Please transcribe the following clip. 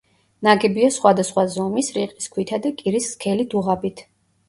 ნაგებია სხვადასხვა ზომის, რიყის ქვითა და კირის სქელი დუღაბით.